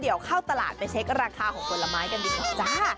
เดี๋ยวเข้าตลาดไปเช็คราคาของผลไม้กันดีกว่าจ้า